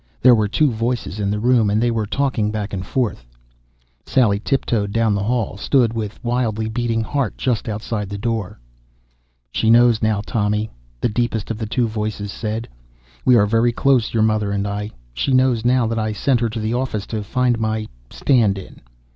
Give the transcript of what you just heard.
There were two voices in the room, and they were talking back and forth. Sally tiptoed down the hall, stood with wildly beating heart just outside the door. "She knows now, Tommy," the deepest of the two voices said. "We are very close, your mother and I. She knows now that I sent her to the office to find my 'stand in.'